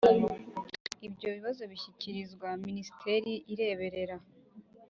ibyo bibazo bishyikirizwa Minisiteri ireberera